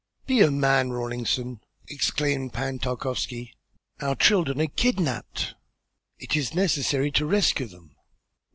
"Be a man, Rawlinson!" exclaimed Pan Tarkowski. "Our children are kidnapped. It is necessary to rescue them."